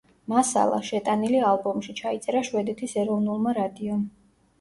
მასალა, შეტანილი ალბომში, ჩაიწერა შვედეთის ეროვნულმა რადიომ.